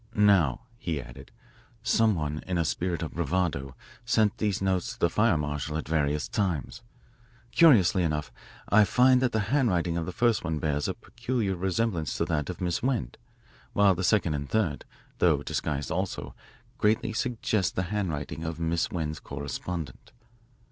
"Now," he added "some one, in a spirit of bravado, sent these notes to the fire marshal at various times. Curiously enough, I find that the handwriting of the first one bears a peculiar resemblance to that of Miss Wend, while the second and third, though disguised also, greatly suggest the handwriting of Miss Wend's correspondent."